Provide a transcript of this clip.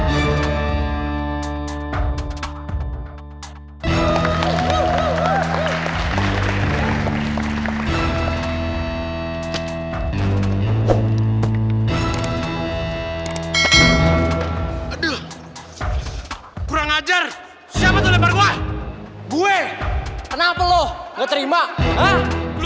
ayo jangan berangkat aja lo